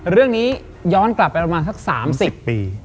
เรื่องนี้ย้อนกลับไปประมาณสัก๓๐ปี